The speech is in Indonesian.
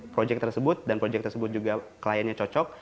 proyek tersebut dan proyek tersebut juga kliennya cocok